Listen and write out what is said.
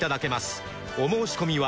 お申込みは